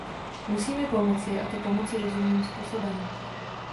Musíme pomoci, a to pomoci rozumným způsobem.